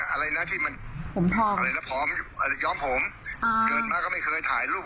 อะไรนะที่มันผมพร้อมอะไรนะพร้อมอะไรย้อมผมอ่าเกิดมาก็ไม่เคยถ่ายรูป